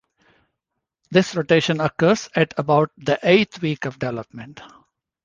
This rotation occurs at about the eighth week of development.